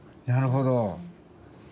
なるほど。